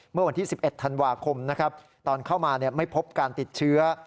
เมื่อวันที่๑๑ธันวาคมนะครับตอนเข้ามาไม่พบการติดเชื้อ